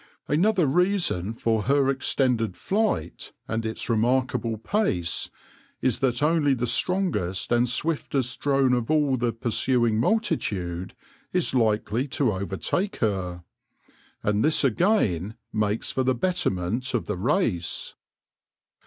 Another reason for her extended flight and its re markable pace is that only the strongest and swiftest drone of all the pursuing multitude is likely to over take her, and this again makes for the betterment of the race.